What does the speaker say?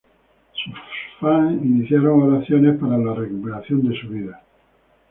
Sus fans iniciaron oraciones para la recuperación de su vida.